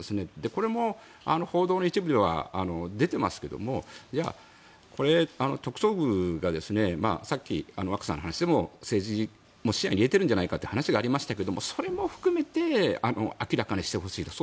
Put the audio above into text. これも報道の一部では出ていますけれども特捜部がさっき、若狭さんの話でも政治も視野に入れているんじゃないかという話がありましたがそれも含めて明らかにしてほしいと。